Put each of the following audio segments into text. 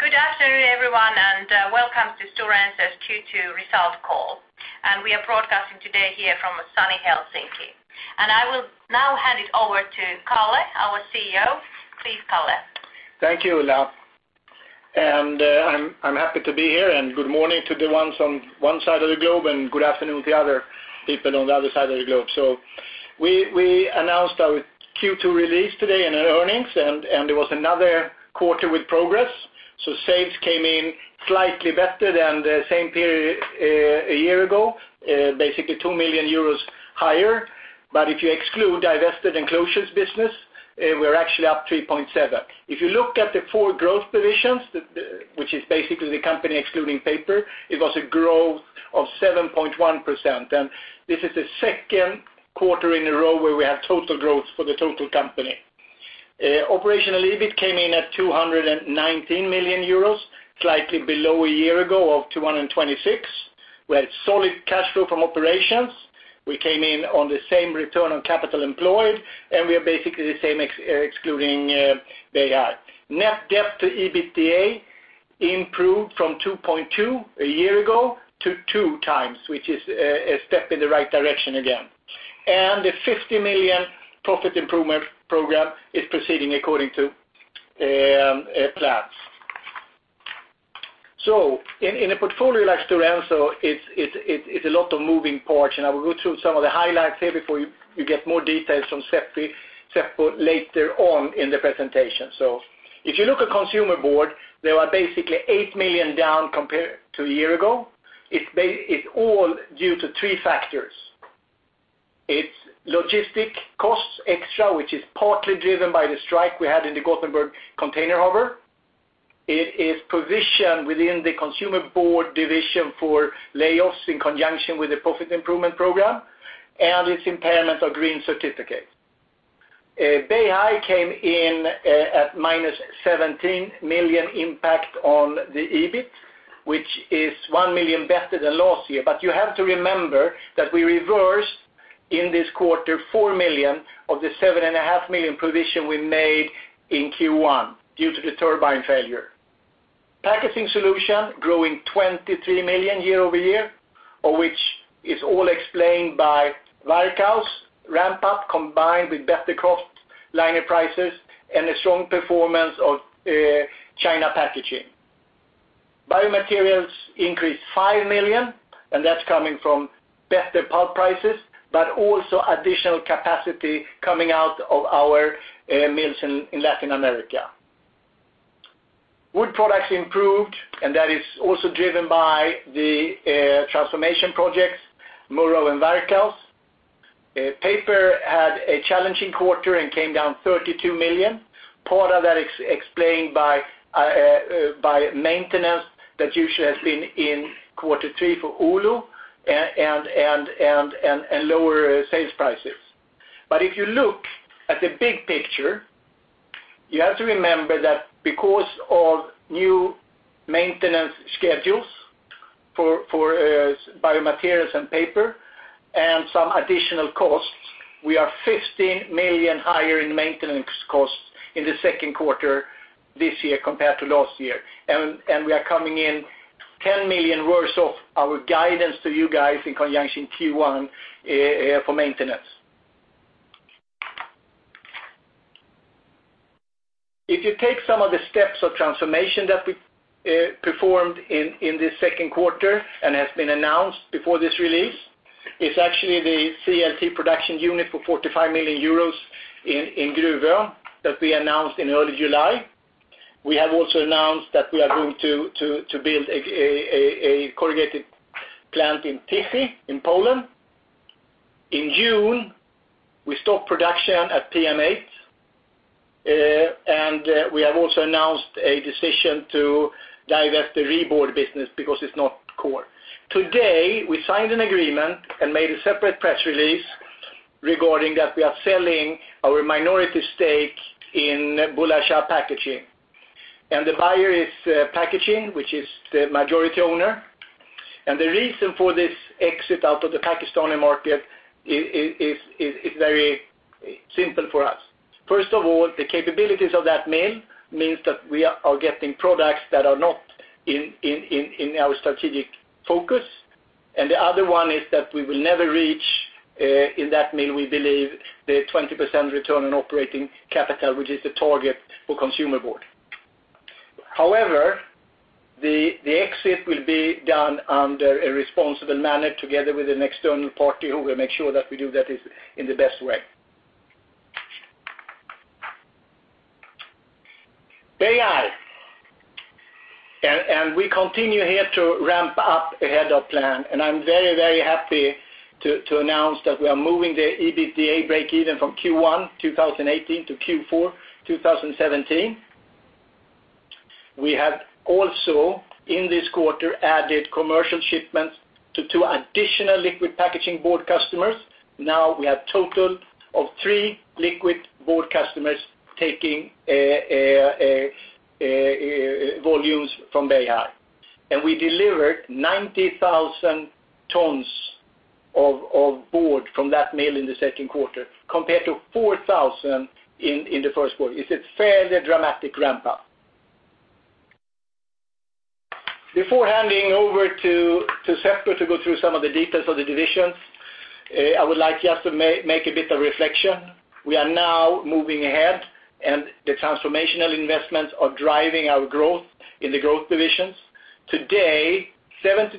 Good afternoon, everyone, welcome to Stora Enso's Q2 result call. We are broadcasting today here from sunny Helsinki. I will now hand it over to Kalle, our CEO. Please, Kalle. Thank you, Ulla. I'm happy to be here, good morning to the ones on one side of the globe, good afternoon to the other people on the other side of the globe. We announced our Q2 release today and our earnings, it was another quarter with progress. Sales came in slightly better than the same period a year ago, basically 2 million euros higher. If you exclude divested and closures business, we're actually up 3.7%. If you look at the four growth divisions, which is basically the company excluding paper, it was a growth of 7.1%. This is the second quarter in a row where we have total growth for the total company. Operational EBIT came in at 219 million euros, slightly below a year ago of 226 million. We had solid cash flow from operations. We came in on the same return on capital employed, we are basically the same excluding BI. Net debt to EBITDA improved from 2.2x a year ago to 2x, which is a step in the right direction again. The 50 million profit improvement program is proceeding according to plans. In a portfolio like Stora Enso, it's a lot of moving parts, I will go through some of the highlights here before you get more details from Seppo later on in the presentation. If you look at consumer board, they are basically 8 million down compared to a year ago. It's all due to three factors. It's logistic costs extra, which is partly driven by the strike we had in the Gothenburg container harbor. It is provision within the consumer board division for layoffs in conjunction with the profit improvement program, its impairment of green certificates. BI came in at -17 million impact on the EBIT, which is 1 million better than last year. You have to remember that we reversed in this quarter 4 million of the 7.5 million provision we made in Q1 due to the turbine failure. Packaging Solutions growing 23 million year-over-year, of which is all explained by Varkaus ramp-up combined with better kraftliner prices and the strong performance of China Packaging. Biomaterials increased 5 million, that's coming from better pulp prices, also additional capacity coming out of our mills in Latin America. Wood products improved, that is also driven by the transformation projects, Murów and Varkaus. Paper had a challenging quarter and came down 32 million. Part of that explained by maintenance that usually has been in quarter three for Oulu, and lower sales prices. If you look at the big picture, you have to remember that because of new maintenance schedules for biomaterials and paper and some additional costs, we are 15 million higher in maintenance costs in the second quarter this year compared to last year. We are coming in 10 million worse off our guidance to you guys in conjunction Q1 for maintenance. If you take some of the steps of transformation that we performed in this second quarter and has been announced before this release, it is actually the CLT production unit for 45 million euros in Gruvön that we announced in early July. We have also announced that we are going to build a corrugated plant in Tychy in Poland. In June, we stopped production at PM8, we have also announced a decision to divest the Re-board business because it is not core. Today, we signed an agreement and made a separate press release regarding that we are selling our minority stake in Bulleh Shah Packaging. The buyer is Packages Limited, which is the majority owner. The reason for this exit out of the Pakistani market is very simple for us. First of all, the capabilities of that mill means that we are getting products that are not in our strategic focus. The other one is that we will never reach, in that mill, we believe, the 20% return on operating capital, which is the target for consumer board. The exit will be done under a responsible manner together with an external party who will make sure that we do that in the best way. Beihai. We continue here to ramp up ahead of plan, I am very, very happy to announce that we are moving the EBITDA break-even from Q1 2018 to Q4 2017. We have also, in this quarter, added commercial shipments to two additional liquid packaging board customers. Now we have total of three liquid board customers taking volumes from Beihai. We delivered 90,000 tons of board from that mill in the second quarter compared to 4,000 in the first quarter. It is a fairly dramatic ramp-up. Before handing over to Seppo to go through some of the details of the divisions, I would like just to make a bit of reflection. We are now moving ahead and the transformational investments are driving our growth in the growth divisions. Today, 72%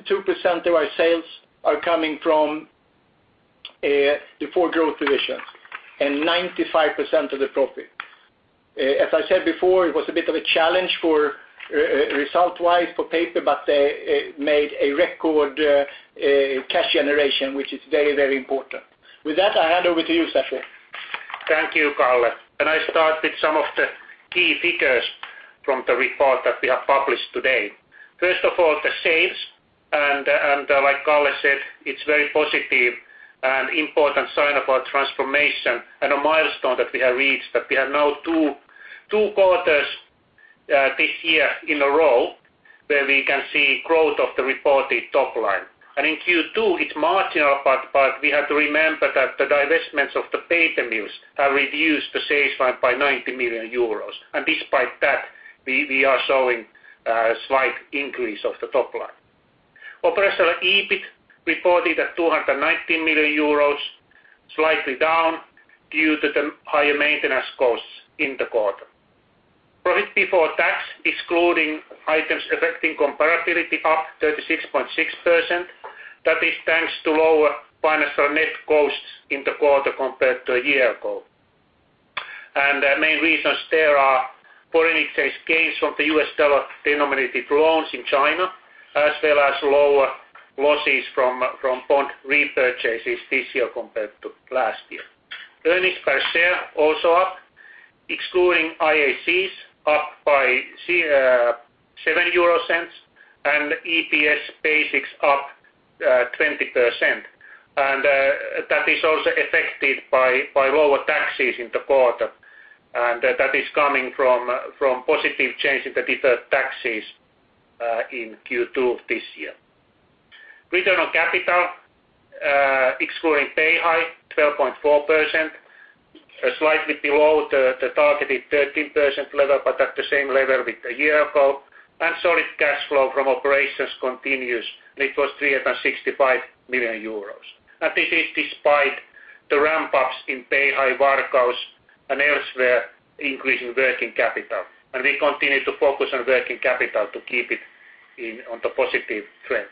of our sales are coming from the four growth divisions and 95% of the profit. As I said before, it was a bit of a challenge result-wise for paper, made a record cash generation which is very important. With that, I hand over to you, Seppo. Thank you, Kalle. I start with some of the key figures from the report that we have published today. First of all, the sales and like Kalle said, it is very positive and important sign of our transformation and a milestone that we have reached that we have now two quarters this year in a row where we can see growth of the reported top line. In Q2 it is marginal, but we have to remember that the divestments of the paper mills have reduced the sales line by 90 million euros and despite that, we are showing a slight increase of the top line. Operational EBIT reported at 219 million euros, slightly down due to the higher maintenance costs in the quarter. Profit before tax, excluding Items Affecting Comparability up 36.6%. That is thanks to lower financial net costs in the quarter compared to a year ago. Main reasons there are foreign exchange gains from the US dollar denominated loans in China as well as lower losses from bond repurchases this year compared to last year. Earnings per share also up, excluding IACs up by 0.07 and EPS basics up 20%. That is also affected by lower taxes in the quarter and that is coming from positive change in the deferred taxes in Q2 of this year. Return on capital excluding Beihai 12.4%, slightly below the targeted 13% level but at the same level with a year ago and solid cash flow from operations continues and it was 365 million euros. This is despite the ramp-ups in Beihai, Varkaus and elsewhere increasing working capital and we continue to focus on working capital to keep it on the positive trend.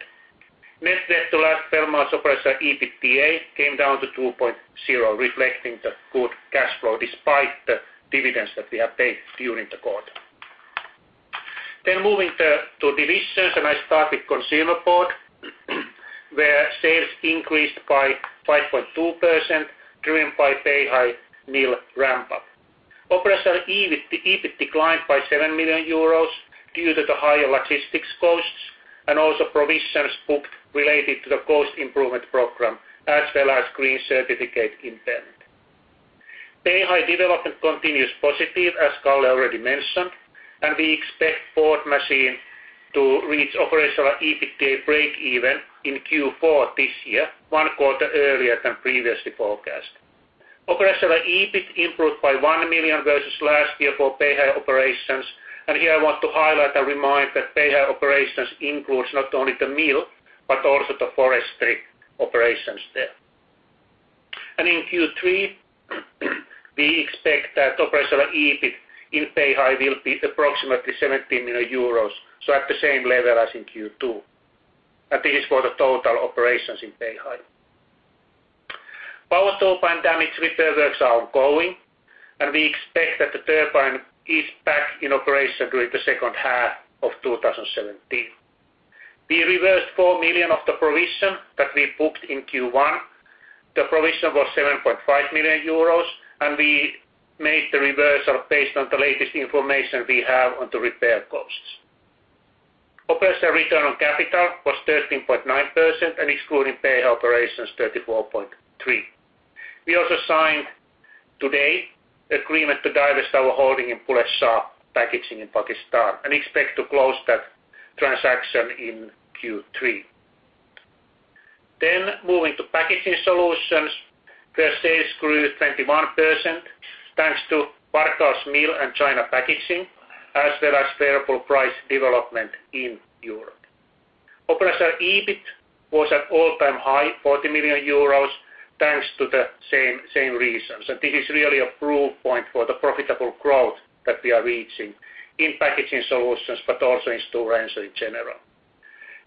Net debt to last 12 months operational EBITDA came down to 2.0 reflecting the good cash flow despite the dividends that we have paid during the quarter. Moving to divisions I start with Consumer Board where sales increased by 5.2% driven by Beihai mill ramp-up. Operational EBIT declined by 7 million euros due to the higher logistics costs and also provisions booked related to the cost improvement program as well as green certificate impairment. Beihai development continues positive as Kalle already mentioned and we expect board machine to reach operational EBITDA breakeven in Q4 this year, one quarter earlier than previously forecast. Operational EBIT improved by 1 million versus last year for Beihai operations and here I want to highlight and remind that Beihai operations includes not only the mill but also the forestry operations there. In Q3, we expect that operational EBIT in Beihai will be approximately 17 million euros, so at the same level as in Q2 and this is for the total operations in Beihai. Power turbine damage repair works are ongoing and we expect that the turbine is back in operation during the second half of 2017. We reversed 4 million of the provision that we booked in Q1. The provision was 7.5 million euros and we made the reversal based on the latest information we have on the repair costs. Operational return on capital was 13.9% and excluding Beihai operations 34.3%. We also signed today agreement to divest our holding in Bulleh Shah Packaging in Pakistan and expect to close that transaction in Q3. Moving to Packaging Solutions where sales grew 21% thanks to Varkaus mill and China Packaging as well as favorable price development in Europe. Operational EBIT was at all-time high 40 million euros thanks to the same reasons and this is really a proof point for the profitable growth that we are reaching in Packaging Solutions but also in Stora Enso in general.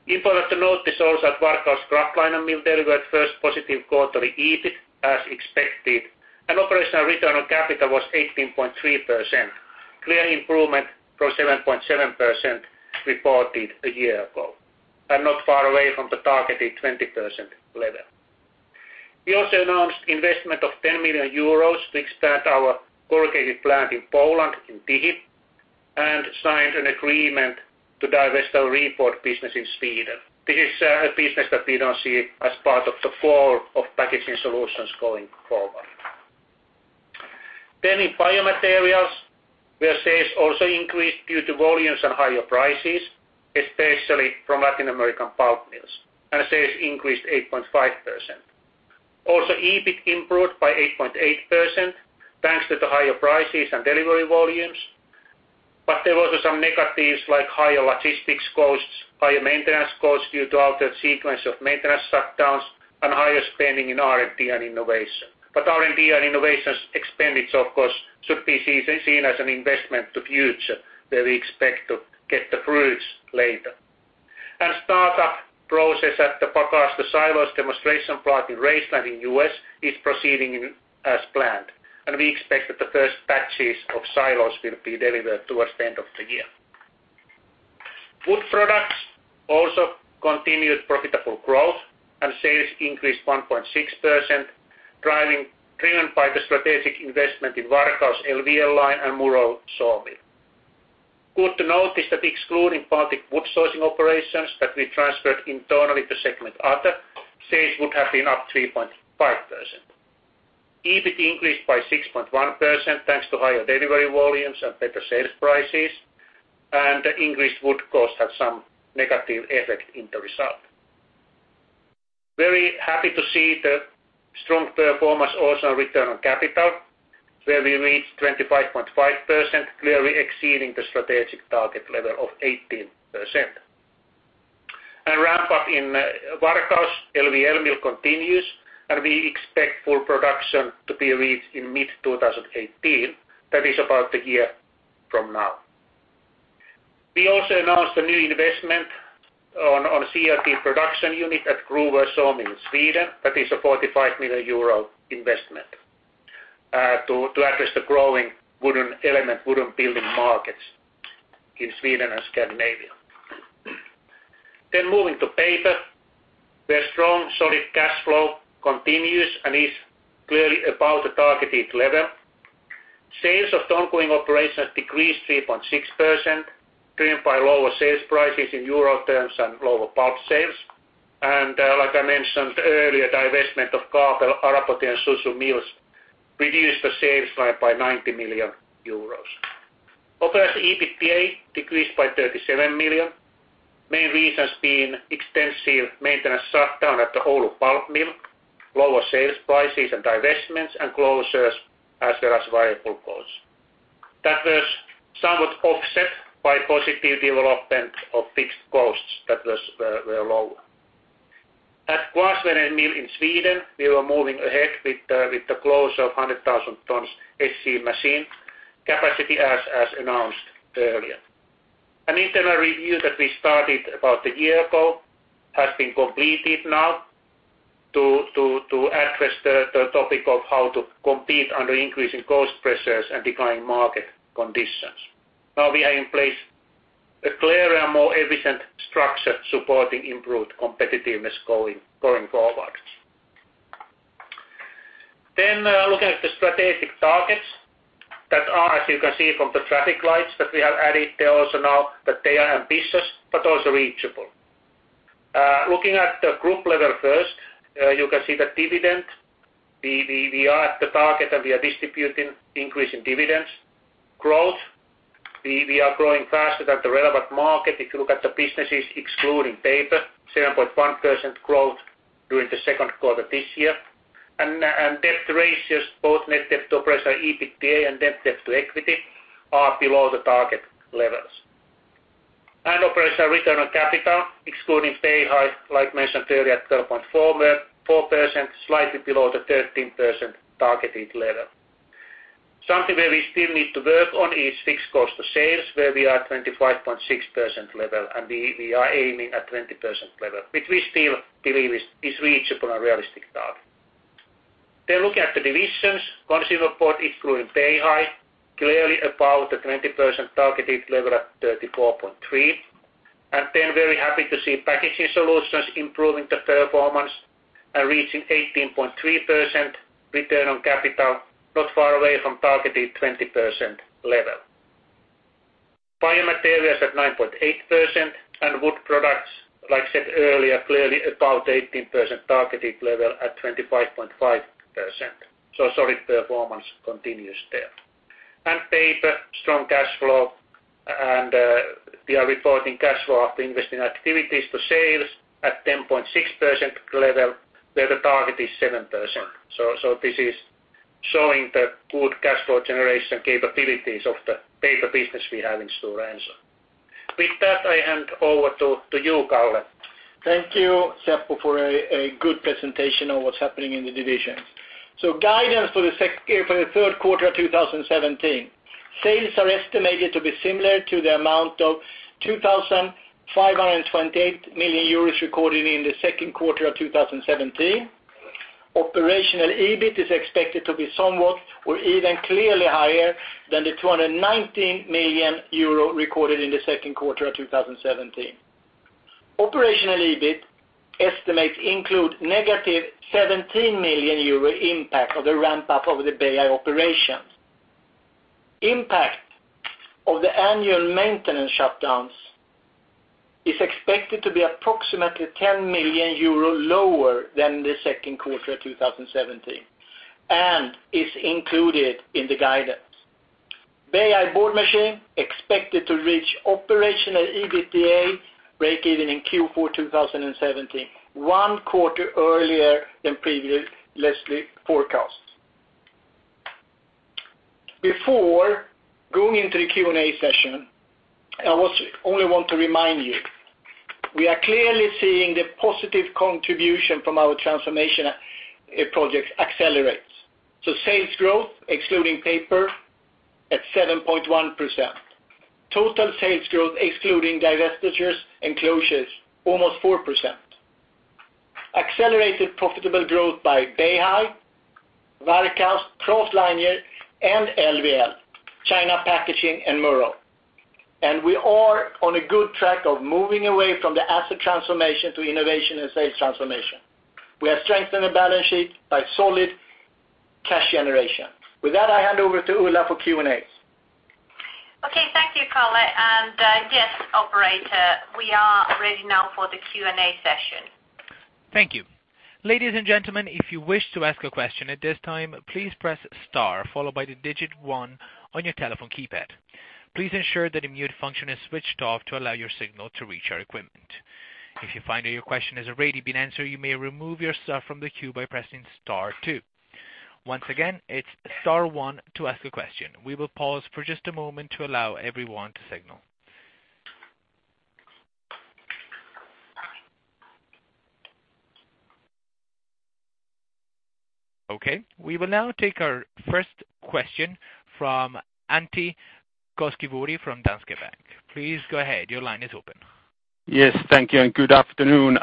Important to note this also at Varkaus kraftliner mill delivered first positive quarterly EBIT as expected and operational return on capital was 18.3%. Clear improvement from 7.7% reported a year ago and not far away from the targeted 20% level. We also announced investment of 10 million euros to expand our corrugated plant in Poland in Tychy and signed an agreement to divest our Re-board business in Sweden. This is a business that we don't see as part of the flow of Packaging Solutions going forward. In biomaterials, where sales also increased due to volumes and higher prices, especially from Latin American pulp mills, sales increased 8.5%. EBIT improved by 8.8%, thanks to the higher prices and delivery volumes. There was some negatives like higher logistics costs, higher maintenance costs due to altered sequence of maintenance shutdowns, and higher spending in R&D and innovation. R&D and innovations expenditure, of course, should be seen as an investment to future, where we expect to get the fruits later. Startup process at the Varkaus, the xylose demonstration plant in Raceland in U.S., is proceeding as planned. We expect that the first batches of xylose will be delivered towards the end of the year. Wood products also continued profitable growth, sales increased 1.6%, driven by the strategic investment in Varkaus LVL line and Murów sawmill. Good to notice that excluding Baltic wood sourcing operations that we transferred internally to segment other, sales would have been up 3.5%. EBIT increased by 6.1%, thanks to higher delivery volumes and better sales prices, the increased wood cost had some negative effect in the result. Very happy to see the strong performance also on return on capital, where we reached 25.5%, clearly exceeding the strategic target level of 18%. Ramp-up in Varkaus LVL mill continues, we expect full production to be reached in mid-2018. That is about a year from now. We also announced a new investment on CLT production unit at Gruvön sawmill in Sweden. That is a 45 million euro investment to address the growing wooden element, wooden building markets in Sweden and Scandinavia. Moving to paper, where strong solid cash flow continues and is clearly above the targeted level. Sales of ongoing operations decreased 3.6%, driven by lower sales prices in EUR terms and lower pulp sales. Like I mentioned earlier, divestment of Kabel, Arapoti, and Suzhou mills reduced the sales line by 90 million euros. Operating EBITDA decreased by 37 million. Main reasons being extensive maintenance shutdown at the Oulu pulp mill, lower sales prices and divestments and closures as well as variable costs. That was somewhat offset by positive development of fixed costs that were lower. At Kvarnsveden mill in Sweden, we were moving ahead with the close of 100,000 tons SC machine capacity as announced earlier. An internal review that we started about a year ago has been completed now to address the topic of how to compete under increasing cost pressures and declining market conditions. We have in place a clearer and more efficient structure supporting improved competitiveness going forwards. Looking at the strategic targets that are, as you can see from the traffic lights that we have added there also now, that they are ambitious but also reachable. Looking at the group level first, you can see the dividend. We are at the target, and we are distributing increase in dividends. Growth. We are growing faster than the relevant market. If you look at the businesses excluding paper, 7.1% growth during the second quarter this year. Debt ratios, both net debt to operating EBITDA and net debt to equity are below the target levels. Operational return on capital, excluding Beihai, like mentioned earlier, at 12.4%, slightly below the 13% targeted level. Something where we still need to work on is fixed cost of sales, where we are at 25.6% level, and we are aiming at 20% level, which we still believe is reachable and realistic target. Looking at the divisions, Consumer Board, excluding Beihai, clearly above the 20% targeted level at 34.3%. Very happy to see Packaging Solutions improving the performance and reaching 18.3% return on capital, not far away from targeted 20% level. Biomaterials at 9.8%, and wood products, like I said earlier, clearly above the 18% targeted level at 25.5%. Solid performance continues there. Paper, strong cash flow, and we are reporting cash flow after investing activities to sales at 10.6% level, where the target is 7%. This is showing the good cash flow generation capabilities of the paper business we have in Stora Enso. With that, I hand over to you, Kalle. Thank you, Seppo, for a good presentation on what's happening in the divisions. Guidance for the third quarter 2017. Sales are estimated to be similar to the amount of 2,528 million euros recorded in the second quarter of 2017. Operational EBIT is expected to be somewhat or even clearly higher than the 219 million euro recorded in the second quarter of 2017. Operational EBIT estimates include negative 17 million euro impact of the ramp-up of the Beihai operations. Impact of the annual maintenance shutdowns is expected to be approximately 10 million euro lower than the second quarter of 2017, and is included in the guidance. Beihai board machine expected to reach operational EBITDA breakeven in Q4 2017, one quarter earlier than previously forecast. Before going into the Q&A session, I only want to remind you, we are clearly seeing the positive contribution from our transformation projects accelerate. Sales growth, excluding paper, at 7.1%. Total sales growth, excluding divestitures and closures, almost 4%. Accelerated profitable growth by Beihai, Varkaus, CLT and LVL, China Packaging and Murów. We are on a good track of moving away from the asset transformation to innovation and sales transformation. We have strengthened the balance sheet by solid cash generation. With that, I hand over to Ulla for Q&A. Okay. Thank you, Kalle. Yes, operator, we are ready now for the Q&A session. Thank you. Ladies and gentlemen, if you wish to ask a question at this time, please press star, followed by the digit one on your telephone keypad. Please ensure that the mute function is switched off to allow your signal to reach our equipment. If you find that your question has already been answered, you may remove yourself from the queue by pressing star two. Once again, it's star one to ask a question. We will pause for just a moment to allow everyone to signal. Okay, we will now take our first question from Antti Koskinen from Danske Bank. Please go ahead. Your line is open. Yes, thank you and good afternoon.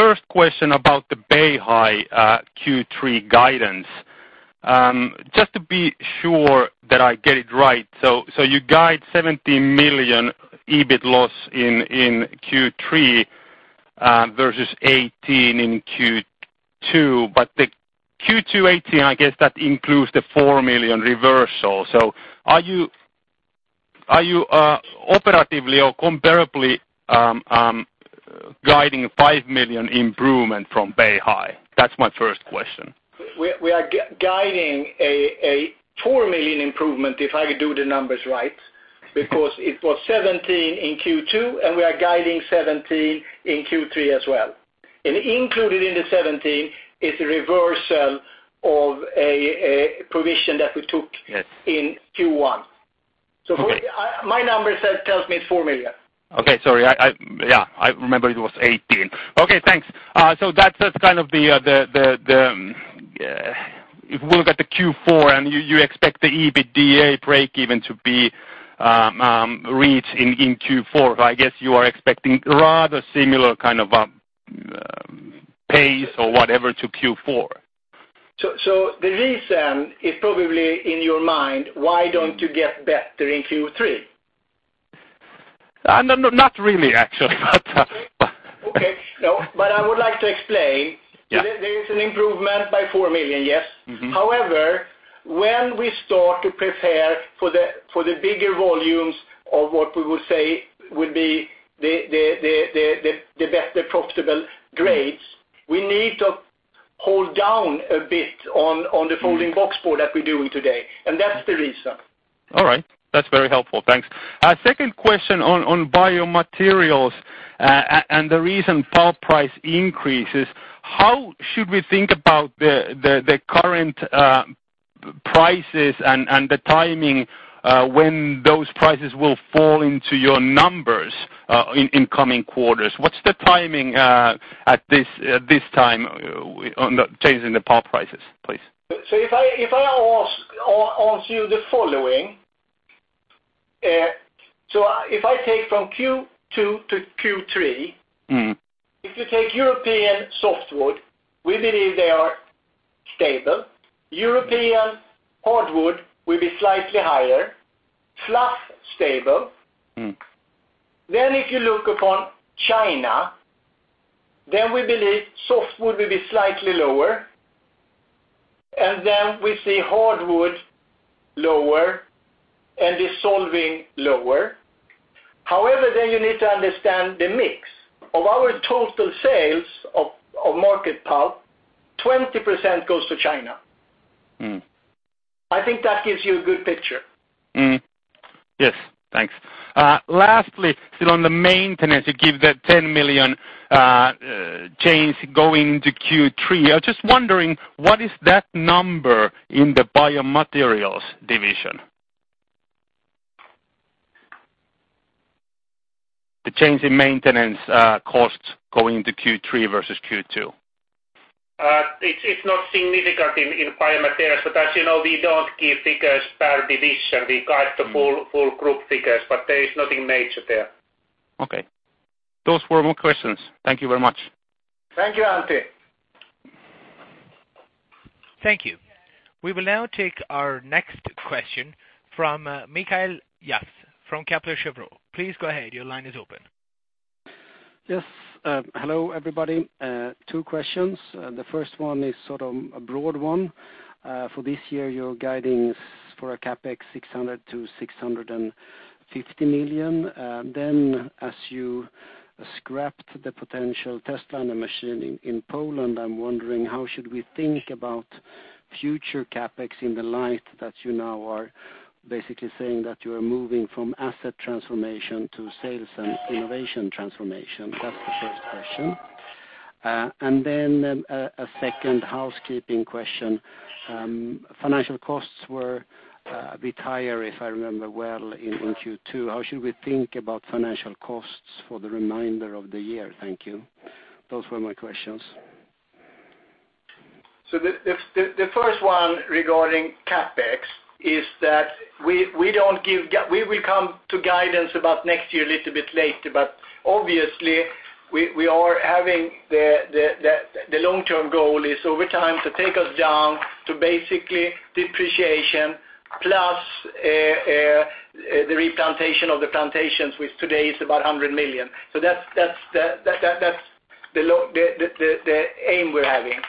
First question about the Beihai Q3 guidance. Just to be sure that I get it right, so you guide 17 million EBIT loss in Q3, versus 18 million in Q2, but the Q2 18 million, I guess that includes the 4 million reversal. Are you operatively or comparably guiding 5 million improvement from Beihai? That's my first question. We are guiding a 4 million improvement, if I do the numbers right, because it was 17 million in Q2, and we are guiding 17 million in Q3 as well. Included in the 17 million is the reversal of a provision that we took- Yes in Q1. Okay. My number tells me it's 4 million. Okay. Sorry, yeah, I remember it was 18. Okay, thanks. That's kind of the, if we look at the Q4, and you expect the EBITDA breakeven to be reached in Q4, I guess you are expecting rather similar kind of pace or whatever to Q4. The reason is probably in your mind, why don't you get better in Q3? No, not really, actually. Okay. No, I would like to explain. Yeah. There is an improvement by 4 million, yes. When we start to prepare for the bigger volumes of what we would say would be the best profitable grades, we need to hold down a bit on the folding boxboard that we're doing today. That's the reason. All right. That's very helpful. Thanks. Second question on biomaterials, and the recent pulp price increases, how should we think about the current prices and the timing when those prices will fall into your numbers in coming quarters? What's the timing at this time on the change in the pulp prices, please? If I answer you the following. If I take from Q2 to Q3- if you take European softwood, we believe they are stable. European hardwood will be slightly higher. Fluff, stable. If you look upon China, then we believe softwood will be slightly lower, and then we see hardwood lower, and dissolving lower. However, then you need to understand the mix. Of our total sales of market pulp, 20% goes to China. I think that gives you a good picture. Yes. Thanks. Lastly, still on the maintenance, you give the 10 million change going into Q3. I was just wondering, what is that number in the biomaterials division? The change in maintenance costs going into Q3 versus Q2. It's not significant in biomaterials, as you know, we don't give figures per division. We guide the full group figures, there is nothing major there. Okay. Those were all questions. Thank you very much. Thank you, Antti. Thank you. We will now take our next question from Mikael Jafs from Kepler Cheuvreux. Please go ahead. Your line is open. Yes. Hello, everybody. Two questions. The first one is a broad one. For this year, your guidance for a CapEx 600 million-650 million. As you scrapped the potential test line and machine in Poland, I am wondering how should we think about future CapEx in the light that you now are basically saying that you are moving from asset transformation to sales and innovation transformation? That is the first question. A second housekeeping question. Financial costs were a bit higher, if I remember well, in Q2. How should we think about financial costs for the remainder of the year? Thank you. Those were my questions. The first one regarding CapEx is that we will come to guidance about next year a little bit later, but obviously, the long-term goal is over time to take us down to basically depreciation plus the replantation of the plantations, which today is about 100 million. That is the aim we are having.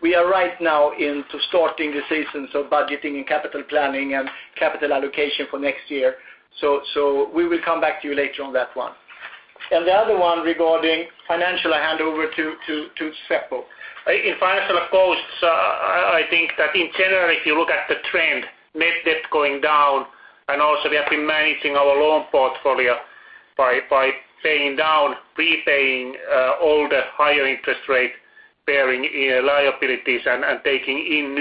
We are right now into starting the season, budgeting and capital planning and capital allocation for next year. We will come back to you later on that one. The other one regarding financial, I hand over to Seppo. In financial costs, I think that in general, if you look at the trend, net debt going down, and also we have been managing our loan portfolio by paying down, repaying all the higher interest rate-bearing liabilities and taking in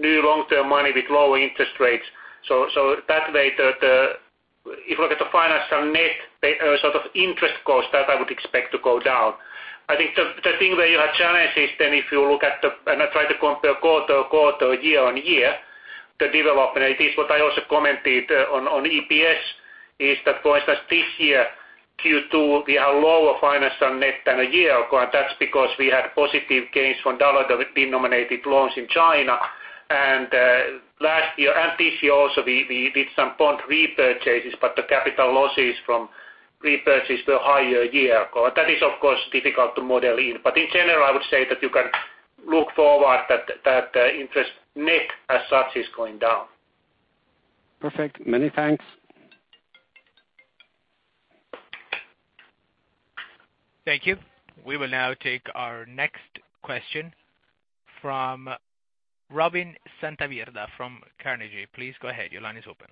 new long-term money with lower interest rates. That way, if you look at the financial net sort of interest cost, that I would expect to go down. I think the thing where you have challenges then if you look at the, and try to compare quarter-on-quarter, year-on-year, the development, it is what I also commented on EPS, is that, for instance, this year, Q2, we have lower financial net than a year ago, and that is because we had positive gains from dollar-denominated loans in China. Last year, and this year also, we did some bond repurchases, but the capital losses from repurchase were higher a year ago. That is, of course, difficult to model in. In general, I would say that you can look forward that interest net as such is going down. Perfect. Many thanks. Thank you. We will now take our next question from Robin Santavirta from Carnegie. Please go ahead. Your line is open.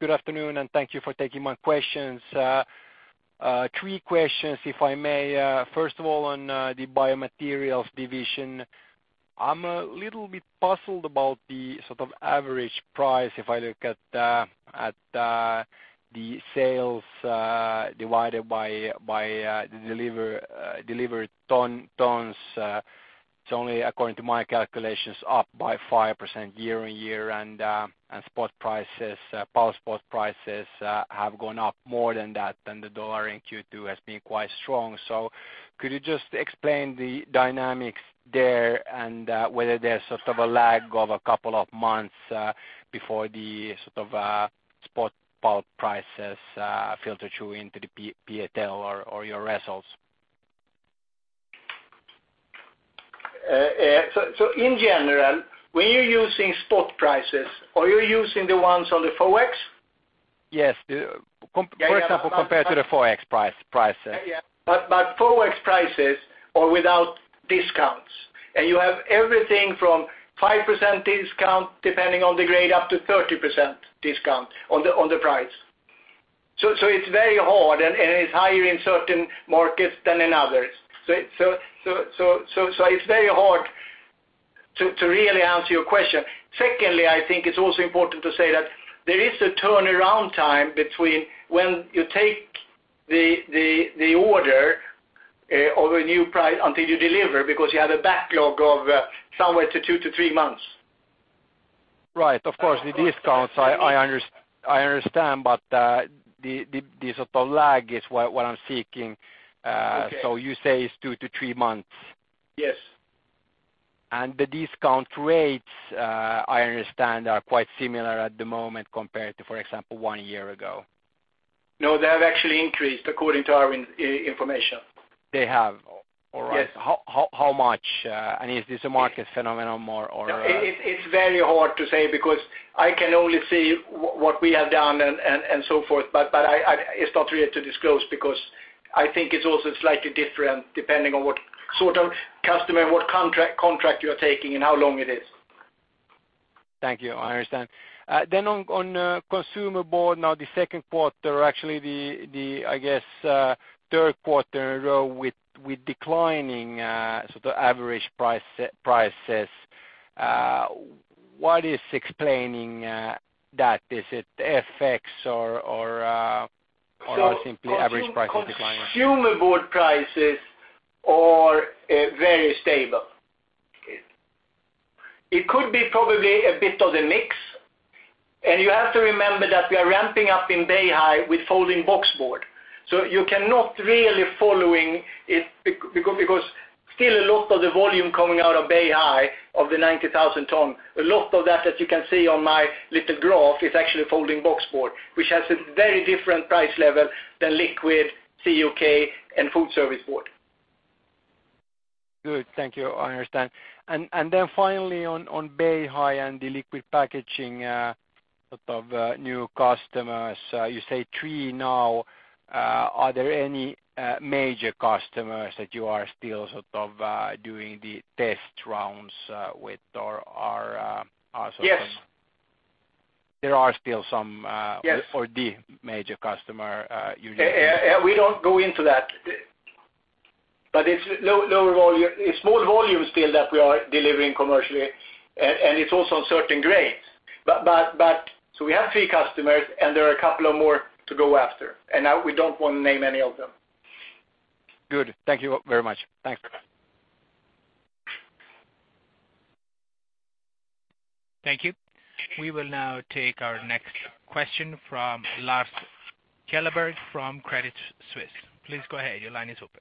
Good afternoon, and thank you for taking my questions. Three questions, if I may. First of all, on the biomaterials division. I'm a little bit puzzled about the sort of average price if I look at the sales divided by the delivered tons. It's only, according to my calculations, up by 5% year-on-year, and spot prices, power spot prices have gone up more than that, and the dollar in Q2 has been quite strong. Could you just explain the dynamics there, and whether there's sort of a lag of a couple of months before the sort of spot pulp prices filter through into the BATL or your results? In general, when you're using spot prices, are you using the ones on the FOEX? For example, compared to the FOEX prices. FOEX prices are without discounts. You have everything from 5% discount, depending on the grade, up to 30% discount on the price. It's very hard, and it's higher in certain markets than in others. It's very hard to really answer your question. Secondly, I think it's also important to say that there is a turnaround time between when you take the order of a new price until you deliver because you have a backlog of somewhere to two to three months. Right. Of course, the discounts I understand, but the sort of lag is what I'm seeking. Okay. You say it's two to three months. Yes. The discount rates, I understand, are quite similar at the moment compared to, for example, one year ago. No, they have actually increased according to our information. They have? All right. Yes. How much? Is this a market phenomenon more or- It is very hard to say because I can only see what we have done and so forth, but it is not really to disclose because I think it is also slightly different depending on what sort of customer, what contract you are taking, and how long it is. Thank you. I understand. On consumer board, now the second quarter, actually the, I guess, third quarter in a row with declining sort of average prices. What is explaining that? Is it FX or simply average prices declining? Consumer board prices are very stable. It could be probably a bit of the mix, and you have to remember that we are ramping up in Beihai with folding boxboard. You cannot really following it because Still a lot of the volume coming out of Beihai of the 90,000 ton. A lot of that, as you can see on my little graph, is actually folding boxboard, which has a very different price level than liquid CUK and food service board. Good. Thank you. I understand. Then finally on Beihai and the liquid packaging, sort of new customers, you say three now. Are there any major customers that you are still sort of doing the test rounds with? Yes There are still some. Yes the major customer. We don't go into that. It's small volumes still that we are delivering commercially, and it's also on certain grades. We have three customers, and there are a couple of more to go after. We don't want to name any of them. Good. Thank you very much. Thanks. Thank you. We will now take our next question from Lars Kjellberg from Credit Suisse. Please go ahead. Your line is open.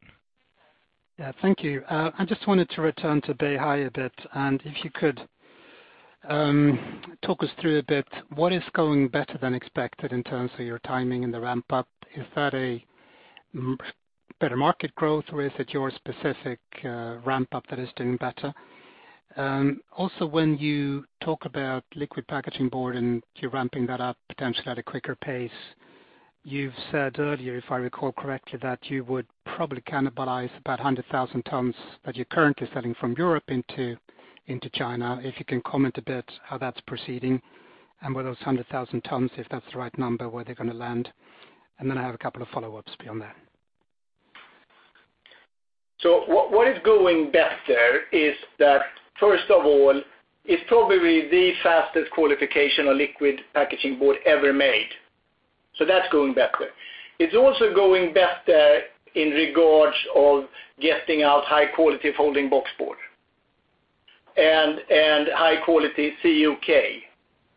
Yeah. Thank you. I just wanted to return to Beihai a bit, and if you could talk us through a bit, what is going better than expected in terms of your timing and the ramp-up? Is that a better market growth, or is it your specific ramp-up that is doing better? Also when you talk about liquid packaging board and you're ramping that up potentially at a quicker pace, you've said earlier, if I recall correctly, that you would probably cannibalize about 100,000 tons that you're currently selling from Europe into China. If you can comment a bit how that's proceeding, and where those 100,000 tons, if that's the right number, where they're going to land. Then I have a couple of follow-ups beyond that. What is going better is that first of all, it's probably the fastest qualification on liquid packaging board ever made. That's going better. It's also going better in regards of getting out high quality folding boxboard and high quality CUK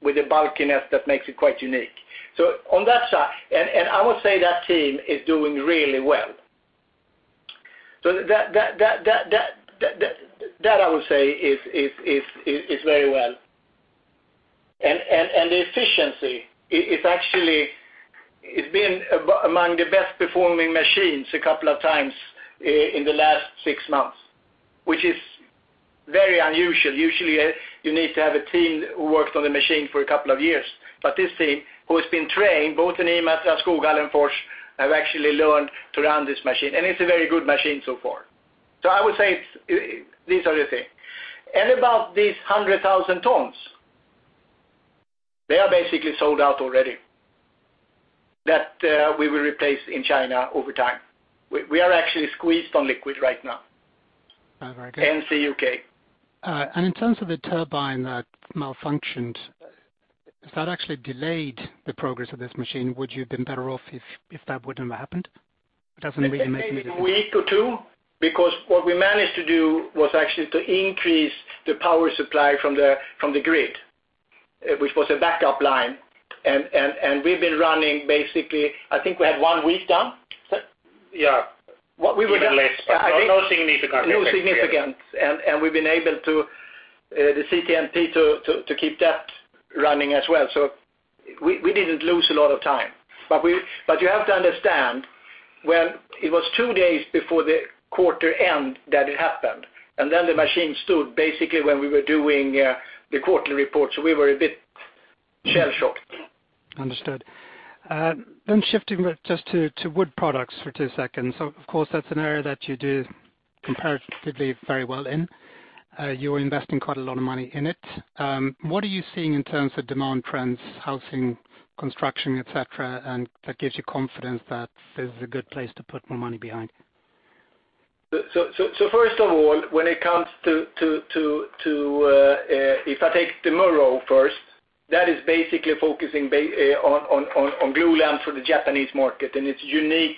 with the bulkiness that makes it quite unique. On that side. I would say that team is doing really well. That, I would say is very well. The efficiency, it's been among the best performing machines a couple of times in the last six months, which is very unusual. Usually, you need to have a team who worked on the machine for a couple of years. This team, who has been trained both in Imatra, Skoghall and Fors, have actually learned to run this machine. It's a very good machine so far. I would say these are the things. About these 100,000 tons, they are basically sold out already. That we will replace in China over time. We are actually squeezed on liquid right now. Very good. CUK. In terms of the turbine that malfunctioned, has that actually delayed the progress of this machine? Would you have been better off if that wouldn't have happened? Maybe a week or two, because what we managed to do was actually to increase the power supply from the grid, which was a backup line, and we've been running basically, I think we had one week down. Yeah. Even less. No significant. We've been able to, the CTMP to keep that running as well. We didn't lose a lot of time. You have to understand, well, it was two days before the quarter end that it happened, and then the machine stood basically when we were doing the quarterly report, so we were a bit shell-shocked. Understood. Shifting just to wood products for two seconds. Of course, that's an area that you do comparatively very well in. You're investing quite a lot of money in it. What are you seeing in terms of demand trends, housing, construction, et cetera, and that gives you confidence that this is a good place to put more money behind? First of all, if I take Murów first, that is basically focusing on glulam for the Japanese market, and its unique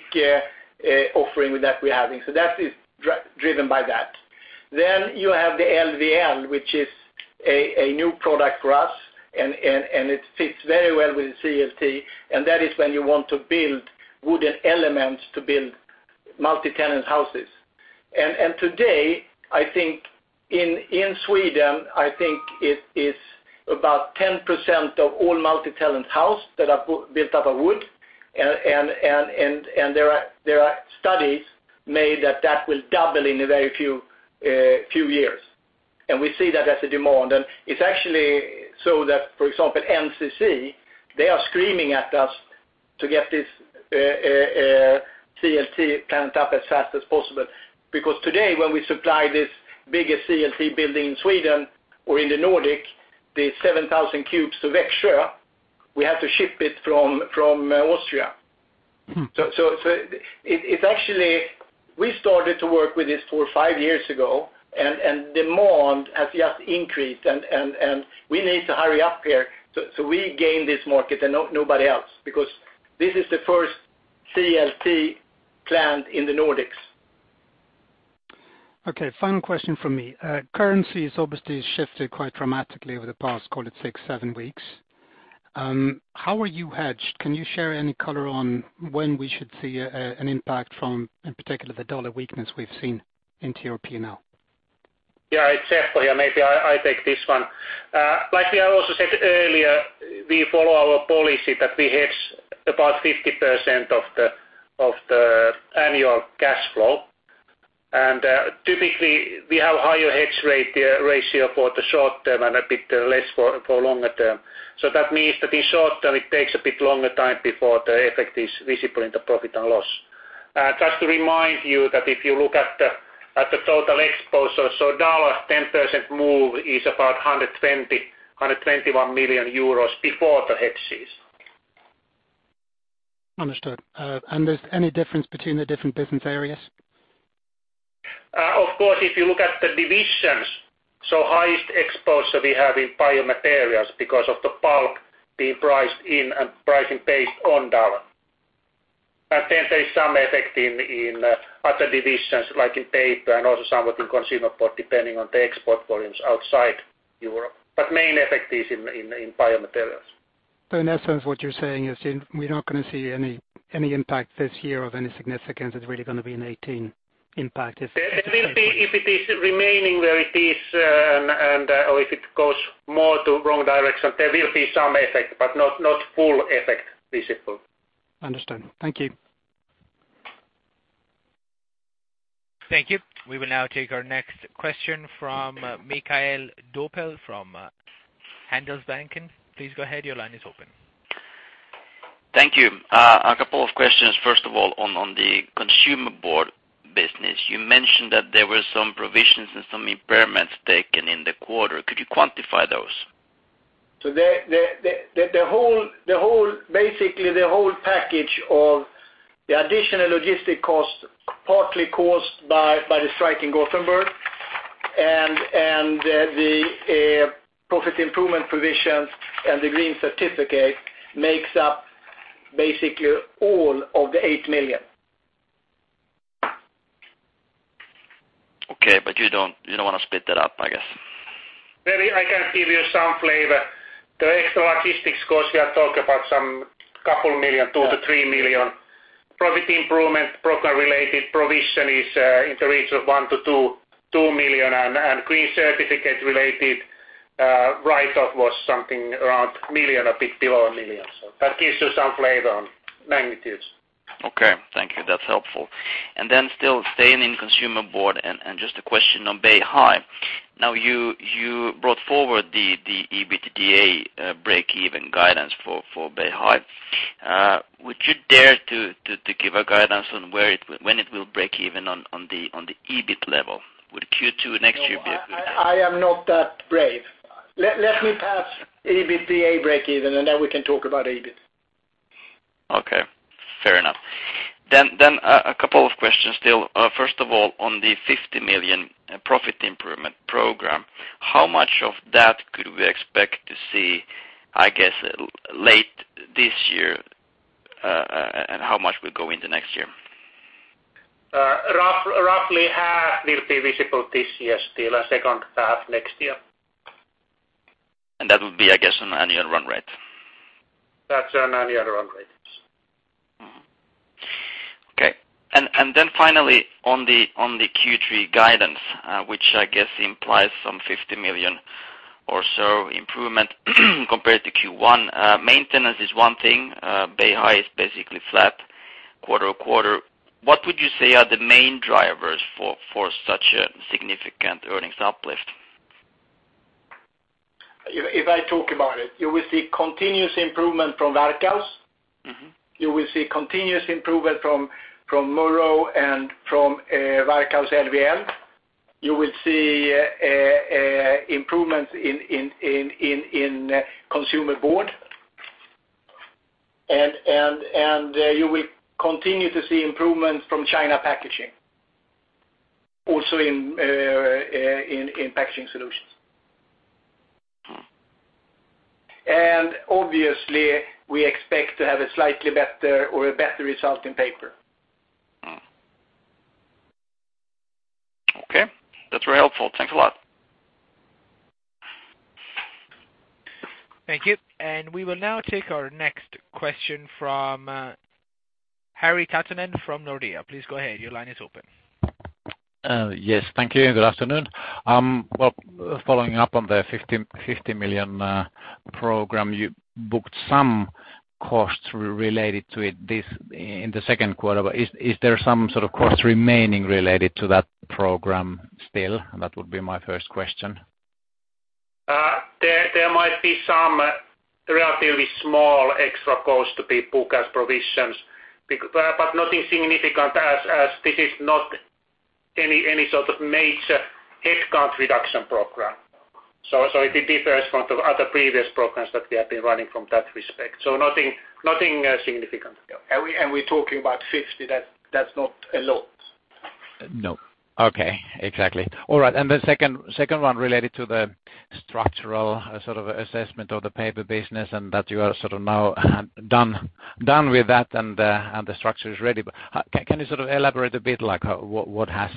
offering that we're having. That is driven by that. You have the LVL, which is a new product for us, and it fits very well with the CLT, and that is when you want to build wooden elements to build multi-tenant houses. Today, I think in Sweden, I think it is about 10% of all multi-tenant house that are built out of wood. There are studies made that that will double in a very few years. We see that as a demand. It's actually so that, for example, at NCC, they are screaming at us to get this CLT plant up as fast as possible. Because today, when we supply this biggest CLT building in Sweden or in the Nordic, the 7,000 cubes to Växjö, we have to ship it from Austria. It's actually, we started to work with this four or five years ago, and demand has just increased, and we need to hurry up here so we gain this market and nobody else, because this is the first CLT plant in the Nordics. Okay. Final question from me. Currencies obviously shifted quite dramatically over the past, call it six, seven weeks. How are you hedged? Can you share any color on when we should see an impact from, in particular, the dollar weakness we've seen in [Europe] now? Yeah, it's Seppo here. Maybe I take this one. Like we also said earlier, we follow our policy that we hedge about 50% of the annual cash flow. Typically we have higher hedge ratio for the short term and a bit less for longer term. That means that in short term, it takes a bit longer time before the effect is visible in the profit and loss. Just to remind you that if you look at the total exposure, dollar 10% move is about 120-121 million euros before the hedges. Understood. There's any difference between the different business areas? Of course, if you look at the divisions, highest exposure we have in biomaterials because of the bulk being priced in and pricing based on dollar. There is some effect in other divisions, like in paper and also somewhat in consumer board, depending on the export volumes outside Europe. Main effect is in biomaterials. In essence, what you're saying is we're not going to see any impact this year of any significance. It's really going to be a 2018 impact if There will be if it is remaining where it is or if it goes more to wrong direction, there will be some effect, but not full effect visible. Understood. Thank you. Thank you. We will now take our next question from Mikael Doepel from Handelsbanken. Please go ahead. Your line is open. Thank you. A couple of questions. First of all, on the consumer board business. You mentioned that there were some provisions and some impairments taken in the quarter. Could you quantify those? Basically the whole package of the additional logistic cost, partly caused by the strike in Gothenburg and the profit improvement provisions and the green certificate makes up basically all of the 8 million. You don't want to split that up, I guess. Maybe I can give you some flavor. The extra logistics cost here talk about some couple million, 2 million-3 million. Profit Improvement Program-related provision is in the range of 1 million-2 million and green certificate-related write-off was something around 1 million, a bit below 1 million. That gives you some flavor on magnitudes. Okay. Thank you. That's helpful. Still staying in consumer board and just a question on Beihai. You brought forward the EBITDA break-even guidance for Beihai. Would you dare to give a guidance on when it will break even on the EBIT level? Would Q2 next year be a good guess? No. I am not that brave. Let me pass EBITDA break even and we can talk about EBIT. Okay, fair enough. A couple of questions still. First of all, on the 50 million Profit Improvement Program, how much of that could we expect to see, I guess, late this year? How much will go into next year? Roughly half will be visible this year still, and second half next year. That would be, I guess, an annual run rate. That's an annual run rate, yes. Okay. Then finally, on the Q3 guidance, which I guess implies some 50 million or so improvement compared to Q1. Maintenance is one thing. Beihai is basically flat quarter-on-quarter. What would you say are the main drivers for such a significant earnings uplift? If I talk about it, you will see continuous improvement from Varkaus. You will see continuous improvement from Murów and from Varkaus LVL. You will see improvements in consumer board. You will continue to see improvements from China Packaging, also in Packaging Solutions. Obviously we expect to have a slightly better or a better result in paper. Okay, that's very helpful. Thanks a lot. Thank you. We will now take our next question from Harri Taittonen from Nordea. Please go ahead. Your line is open. Yes, thank you. Good afternoon. Following up on the 50 million program, you booked some costs related to it in the second quarter. Is there some sort of cost remaining related to that program still? That would be my first question. There might be some relatively small extra cost to be booked as provisions. Nothing significant as this is not any sort of major headcount reduction program. It differs from the other previous programs that we have been running from that respect. Nothing significant. We're talking about 50. That's not a lot. No. Okay, exactly. All right. The second one related to the structural assessment of the paper business and that you are now done with that and the structure is ready. Can you elaborate a bit, like what has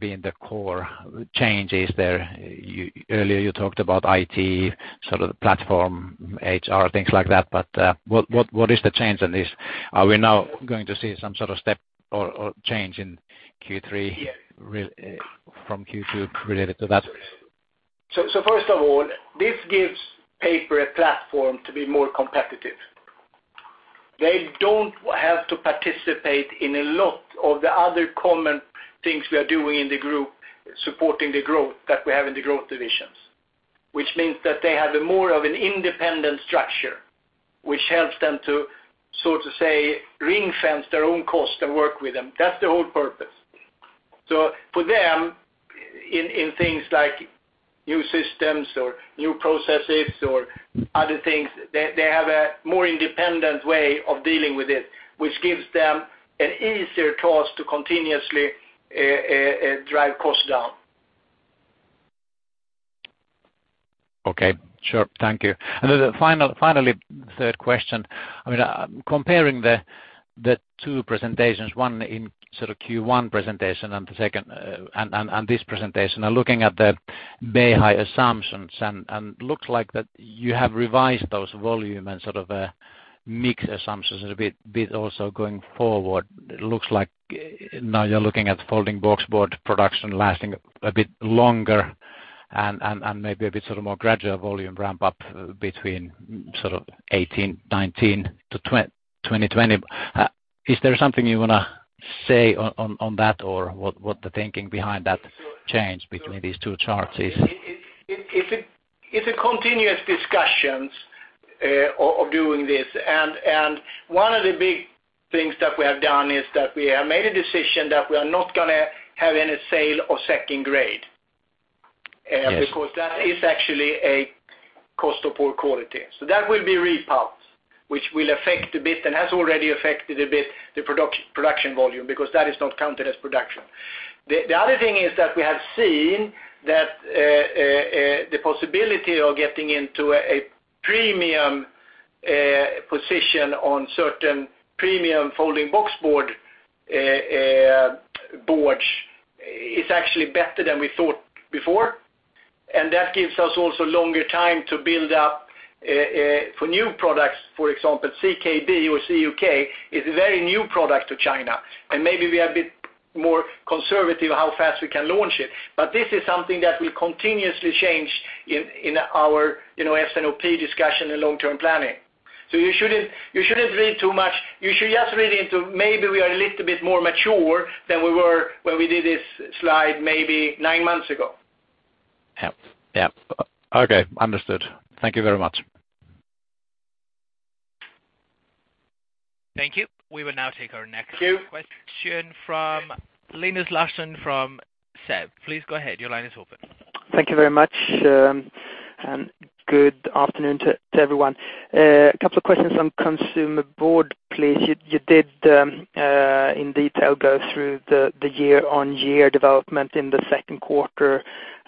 been the core changes there? Earlier you talked about IT, sort of the platform, HR, things like that, but what is the change in this? Are we now going to see some sort of step or change in Q3 from Q2 related to that? First of all, this gives paper a platform to be more competitive. They don't have to participate in a lot of the other common things we are doing in the group, supporting the growth that we have in the growth divisions. Which means that they have a more of an independent structure, which helps them to sort of say, ring-fence their own cost and work with them. That's the whole purpose. For them, in things like new systems or new processes or other things, they have a more independent way of dealing with it, which gives them an easier task to continuously drive costs down. Okay, sure. Thank you. Then finally, third question. Comparing the two presentations, one in Q1 presentation and this presentation, and looking at the Beihai assumptions, looks like that you have revised those volume and sort of mixed assumptions a bit also going forward. It looks like now you're looking at folding boxboard production lasting a bit longer and maybe a bit more gradual volume ramp-up between sort of 2018, 2019 to 2020. Is there something you want to say on that or what the thinking behind that change between these two charts is? It's a continuous discussions of doing this. One of the big things that we have done is that we have made a decision that we are not going to have any sale of second grade. Yes. That is actually a cost of poor quality. That will be repulped, which will affect a bit, and has already affected a bit, the production volume, because that is not counted as production. The other thing is that we have seen that the possibility of getting into a premium position on certain premium folding boxboard boards is actually better than we thought before. That gives us also longer time to build up for new products. For example, CKB or CUK is a very new product to China, and maybe we are a bit more conservative how fast we can launch it. This is something that will continuously change in our S&OP discussion and long-term planning. You shouldn't read too much. You should just read into, maybe we are a little bit more mature than we were when we did this slide maybe nine months ago. Okay, understood. Thank you very much. Thank you. We will now take our next question. Thank you Question from Linus Larsson from SEB. Please go ahead. Your line is open. Thank you very much. Good afternoon to everyone. A couple of questions on consumer board, please. You did, in detail, go through the year-on-year development in the second quarter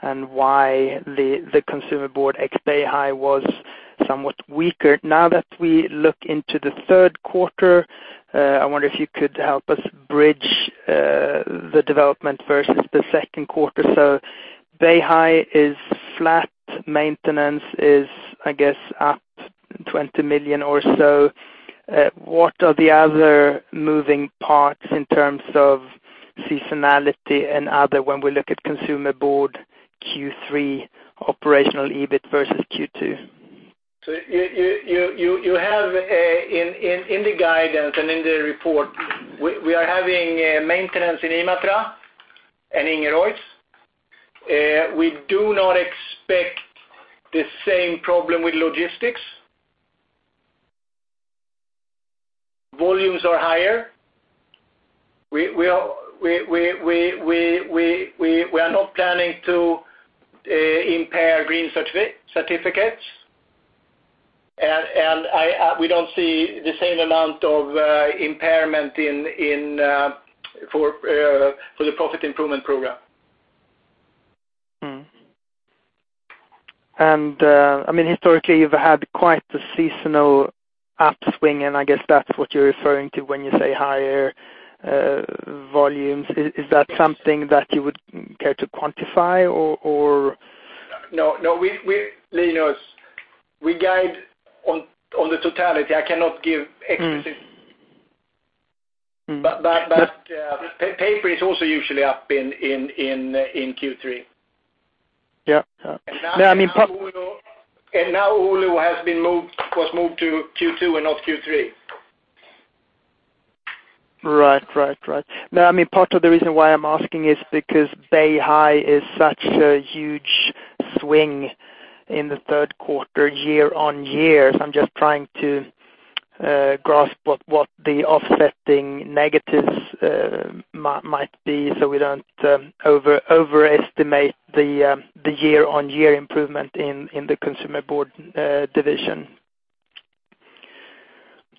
and why the consumer board ex Beihai was somewhat weaker. Now that we look into the third quarter, I wonder if you could help us bridge the development versus the second quarter. Beihai is flat. Maintenance is, I guess, up 20 million or so. What are the other moving parts in terms of seasonality and other when we look at consumer board Q3 operational EBIT versus Q2? You have in the guidance and in the report, we are having maintenance in Imatra and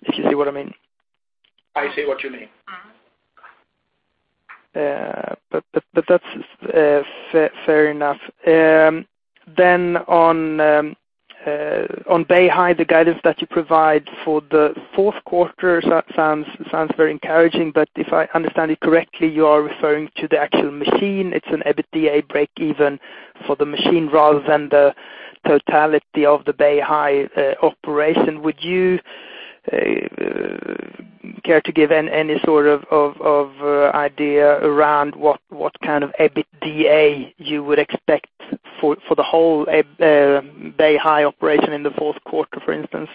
If you see what I mean. I see what you mean. That's fair enough. On Beihai, the guidance that you provide for the fourth quarter sounds very encouraging. If I understand it correctly, you are referring to the actual machine. It's an EBITDA breakeven for the machine rather than the totality of the Beihai operation. Would you care to give any sort of idea around what kind of EBITDA you would expect for the whole Beihai operation in the fourth quarter, for instance?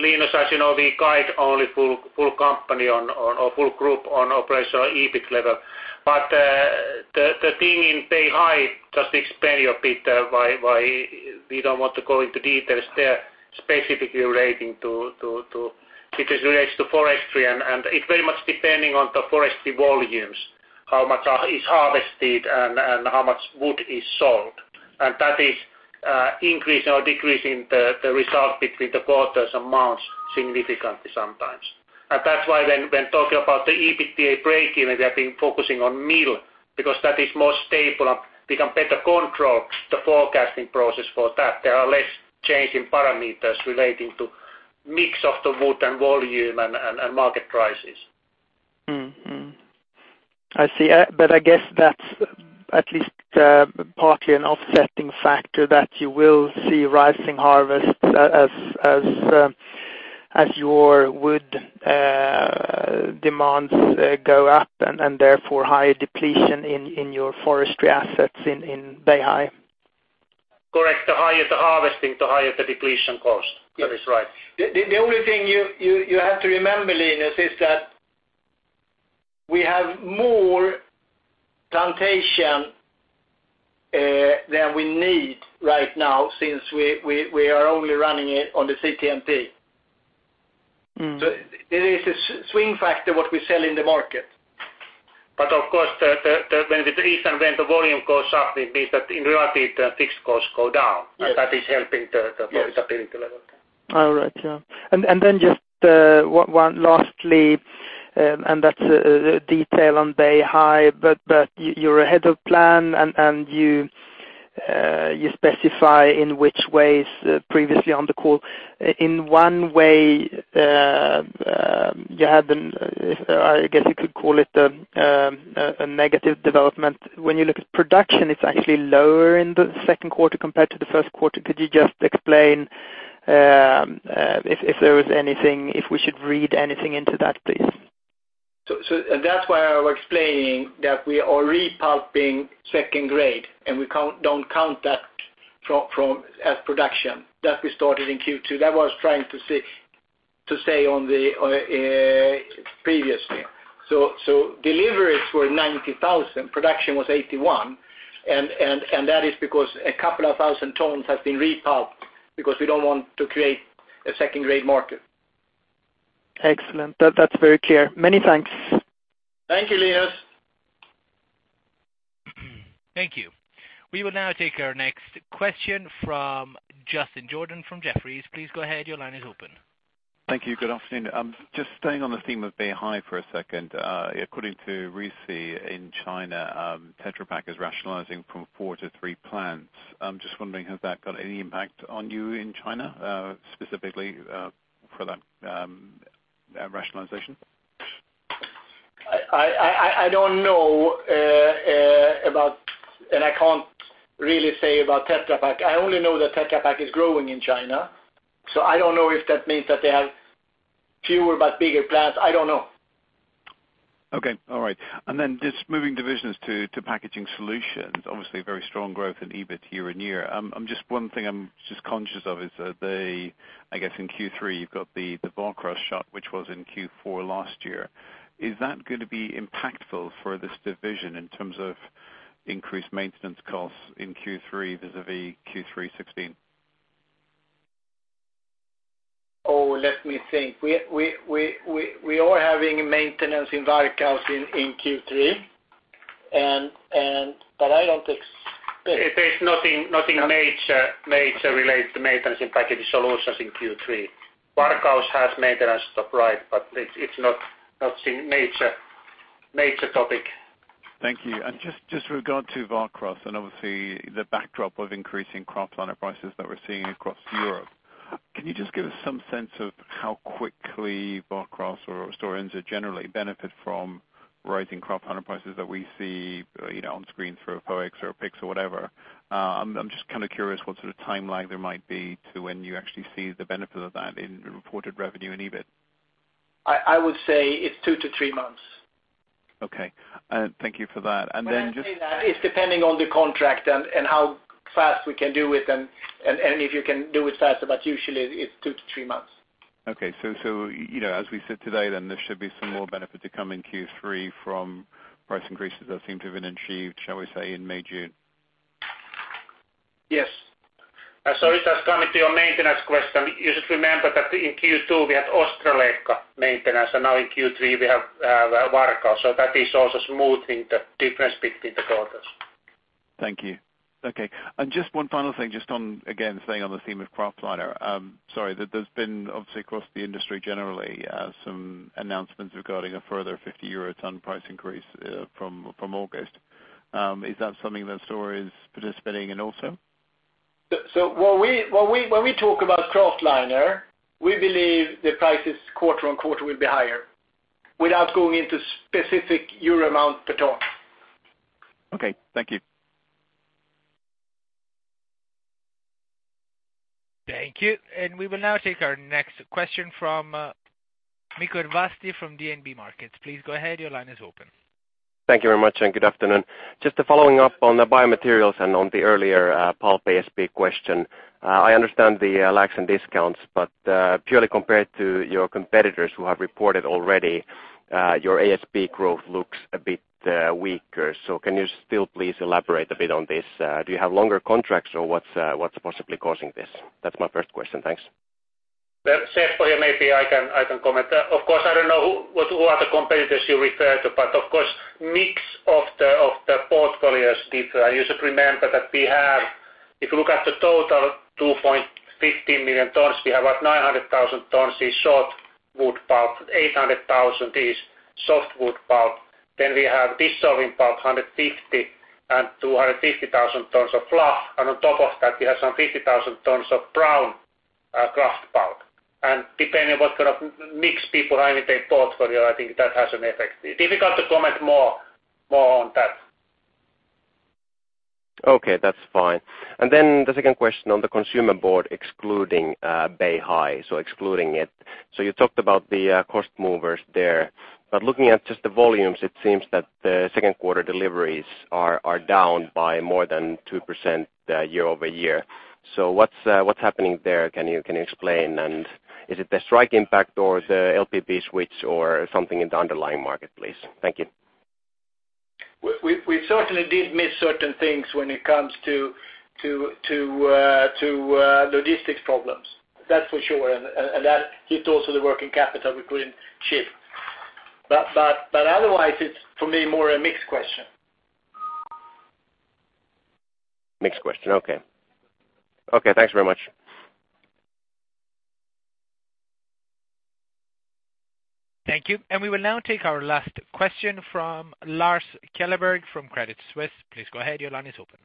Linus, as you know, we guide only full company or full group on operational EBIT level. The thing in Beihai, just to explain you a bit why we don't want to go into details there, specifically relating to forestry, and it very much depending on the forestry volumes, how much is harvested and how much wood is sold. That is increasing or decreasing the result between the quarters and months significantly sometimes. That's why when talking about the EBITDA breakeven, we have been focusing on mill because that is more stable and we can better control the forecasting process for that. There are less change in parameters relating to mix of the wood and volume and market prices. I see. I guess that's at least partly an offsetting factor that you will see rising harvests as your wood demands go up, and therefore higher depletion in your forestry assets in Beihai. Correct. The higher the harvesting, the higher the depletion cost. Yes. That is right. The only thing you have to remember, Linus, is that we have more plantation than we need right now since we are only running it on the CTMP. There is a swing factor what we sell in the market. Of course, when the trees and when the volume goes up, it means that in reality, the fixed costs go down. Yes. That is helping the profitability level. All right. Yeah. Then just one lastly, and that's a detail on Beihai, but you're ahead of plan, and you specify in which ways previously on the call. In one way, you had the, I guess you could call it a negative development. When you look at production, it's actually lower in the second quarter compared to the first quarter. Could you just explain if there was anything, if we should read anything into that, please? That's why I was explaining that we are repulping second grade, and we don't count that as production. That we started in Q2. That was trying to say on the previous year. Deliveries were 90,000, production was 81. That is because a couple of thousand tons has been repulped because we don't want to create a second-grade market. Excellent. That's very clear. Many thanks. Thank you, Linus. Thank you. We will now take our next question from Justin Jordan from Jefferies. Please go ahead. Your line is open. Thank you. Good afternoon. Just staying on the theme of Beihai for a second. According to RISI in China, Tetra Pak is rationalizing from four to three plants. I'm just wondering, has that got any impact on you in China, specifically, for that rationalization? I don't know about, I can't really say about Tetra Pak. I only know that Tetra Pak is growing in China, I don't know if that means that they have fewer but bigger plants. I don't know. Okay. All right. Just moving divisions to Packaging Solutions. Obviously, very strong growth in EBIT year on year. One thing I'm just conscious of is that they, I guess in Q3, you've got the Varkaus shut, which was in Q4 last year. Is that going to be impactful for this division in terms of increased maintenance costs in Q3 vis-a-vis Q3 2016? Let me think. We are having maintenance in Varkaus in Q3. There's nothing major relates to maintenance in Packaging Solutions in Q3. Varkaus has maintenance, right, it's not major topic. Thank you. Just with regard to Varkaus and obviously the backdrop of increasing kraft prices that we're seeing across Europe, can you just give us some sense of how quickly Varkaus or Stora Enso generally benefit from rising kraft prices that we see on screen through FOEX or PIX or whatever? I'm just kind of curious what sort of timeline there might be to when you actually see the benefit of that in reported revenue and EBIT. I would say it's two to three months. Okay. Thank you for that. Just- It's depending on the contract and how fast we can do it and if you can do it faster, but usually it's two to three months. Okay. As we sit today, then there should be some more benefit to come in Q3 from price increases that seem to have been achieved, shall we say, in May, June. Yes. Just coming to your maintenance question, you should remember that in Q2, we had Ostrołęka maintenance, and now in Q3 we have Varkaus. That is also smoothing the difference between the quarters. Thank you. Okay. Just one final thing, just on, again, staying on the theme of kraftliner. Sorry, there's been, obviously, across the industry generally, some announcements regarding a further 50 euro ton price increase from August. Is that something that Stora Enso is participating in also? When we talk about kraftliner, we believe the prices quarter on quarter will be higher, without going into specific EUR amount per ton. Okay, thank you. Thank you. We will now take our next question from Mikko Ervasti from DNB Markets. Please go ahead, your line is open. Thank you very much and good afternoon. Following up on the biomaterials and on the earlier pulp ASP question. I understand the lags in discounts, but purely compared to your competitors who have reported already, your ASP growth looks a bit weaker. Can you still please elaborate a bit on this? Do you have longer contracts or what's possibly causing this? That's my first question. Thanks. Seppo here. I can comment. Of course, I don't know who are the competitors you refer to, but of course, mix of the portfolios differ. We have, if you look at the total 2.15 million tons, we have about 900,000 tons is short wood pulp, 800,000 is softwood pulp. We have dissolving pulp, 150 and 250,000 tons of fluff. On top of that, we have some 50,000 tons of brown kraft pulp. Depending what kind of mix people have in their portfolio, I think that has an effect. Difficult to comment more on that. Okay, that's fine. Then the second question on the consumer board, excluding Beihai, excluding it. You talked about the cost movers there. Looking at just the volumes, it seems that the second quarter deliveries are down by more than 2% year-over-year. What's happening there? Can you explain? Is it the strike impact or the LPB switch or something in the underlying market, please? Thank you. We certainly did miss certain things when it comes to logistics problems. That's for sure, and that hits also the working capital we couldn't ship. Otherwise it's for me more a mix question. Mix question, okay. Okay, thanks very much. Thank you. We will now take our last question from Lars Kjellberg from Credit Suisse. Please go ahead, your line is open.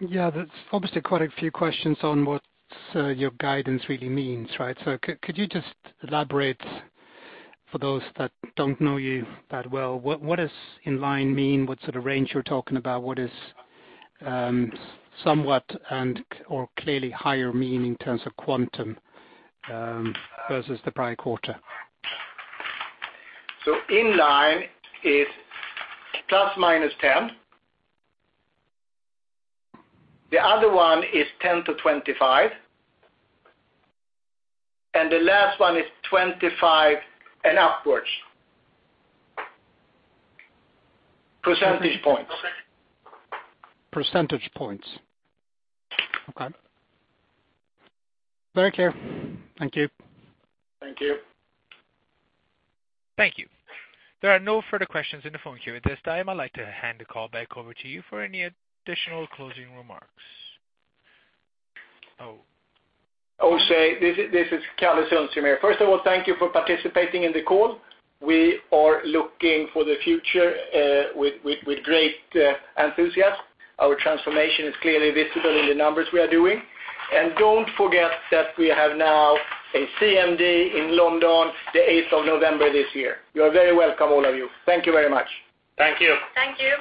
Yeah. There's obviously quite a few questions on what your guidance really means, right? Could you just elaborate for those that don't know you that well, what does in line mean? What sort of range you're talking about? What is somewhat and/or clearly higher mean in terms of quantum versus the prior quarter? In line is ±10. The other one is 10-25. The last one is 25 and upwards. Percentage points. Percentage points. Okay. Very clear. Thank you. Thank you. Thank you. There are no further questions in the phone queue at this time. I'd like to hand the call back over to you for any additional closing remarks. I will say, this is Kalle Sundström here. First of all, thank you for participating in the call. We are looking for the future with great enthusiasm. Our transformation is clearly visible in the numbers we are doing. Don't forget that we have now a CMD in London, the 8th of November this year. You are very welcome, all of you. Thank you very much. Thank you. Thank you.